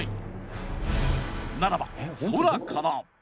ならば空から！